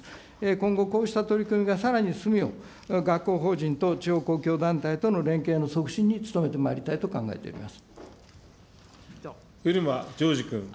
今後、こうした取り組みがさらに進むよう、学校法人と地方公共団体との連携の促進に努めてまいりたいと考え漆間譲司君。